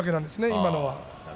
今のは。